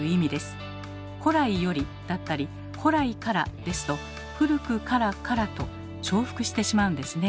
「古来より」だったり「古来から」ですと「『古くから』から」と重複してしまうんですね。